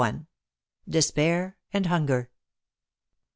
DESPAIR AND HUNGER.